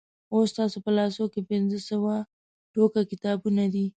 اوس ستاسو په لاسو کې پنځه سوه ټوکه کتابونه دي.